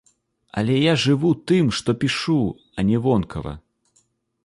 Але я жыву, тым, што пішу, а не вонкава.